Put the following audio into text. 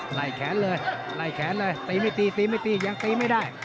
ไล่แขนเลยไล่แขนเลยตีไม่ตีตีไม่ตียังตีไม่ได้